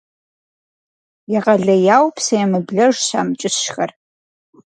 Егъэлеяуэ псэемыблэжщ амкӀыщхэр.